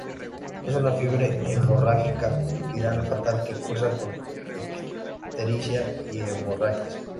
Es una fiebre hemorrágica viral fatal que cursa con ictericia y hemorragias.